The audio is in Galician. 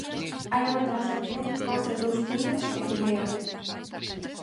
Hai unha transacción que consta de dous puntos e que leo.